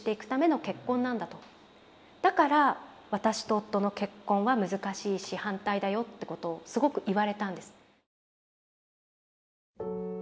だから私と夫の結婚は難しいし反対だよってことをすごく言われたんです。